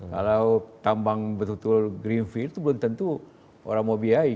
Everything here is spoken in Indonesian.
kalau tambang betul betul green feel itu belum tentu orang mau biayai